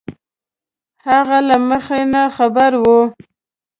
هغه له مخکې نه خبر وو